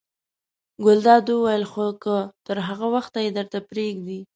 ګلداد وویل: خو که تر هغه وخته یې درته پرېږدي.